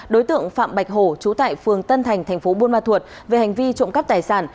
đối tượng phạm bạch hổ trú tại phường tân thành thành phố buôn ma thuột về hành vi trộm cắp tài sản